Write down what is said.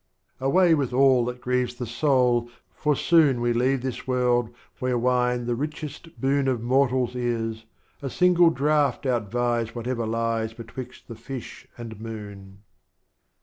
Away with all that grieves the soul, for soon We leave this World where Wine the richest Boon Of Mortals is, a single Draught outvies Whatever lies, betwixt the Fish and Moon.